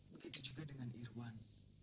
begitu juga dengan irwan